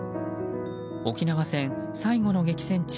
沖縄戦最後の激戦地